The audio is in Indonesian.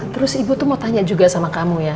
terus ibu tuh mau tanya juga sama kamu ya